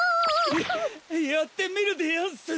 ややってみるでやんす。